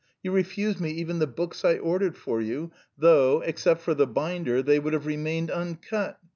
You refused me even the books I ordered for you, though, except for the binder, they would have remained uncut.